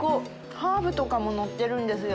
ハーブとかも載ってるんですよ。